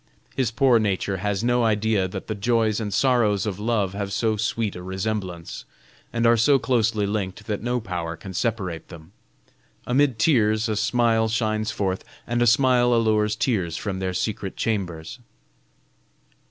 His poor nature has no idea that the joys and sorrows of love have so sweet a resemblance, and are so closely linked that no power can separate them. Amid tears a smile shines forth, and a smile allures tears from their secret chambers."